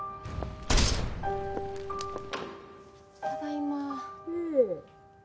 ただいま。